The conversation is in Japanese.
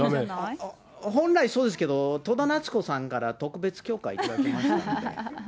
本来、そうですけど、戸田奈津子さんから特別許可いただきましたんで。